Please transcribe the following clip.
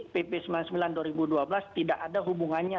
pp sembilan puluh sembilan dua ribu dua belas tidak ada hubungannya